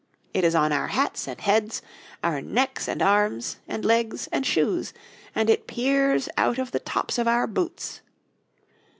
It is on our hats and heads, and necks and arms, and legs and shoes, and it peers out of the tops of our boots.